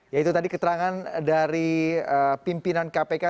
ya itu tadi keterangan dari pimpinan kpk